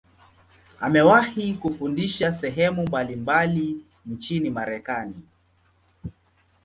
Amewahi kufundisha sehemu mbalimbali nchini Marekani.